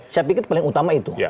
saya pikir paling utama itu